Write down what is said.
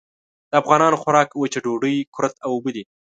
د افغانانو خوراک وچه ډوډۍ، کُرت او اوبه دي.